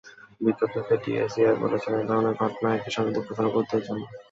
বিজ্ঞপ্তিতে ডিসিসিআই বলেছে, এ ধরনের ঘটনা একই সঙ্গে দুঃখজনক ও উদ্বেগজনক।